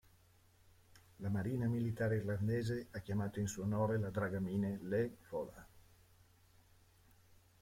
La marina militare irlandese ha chiamato in suo onore la dragamine LÉ Fola.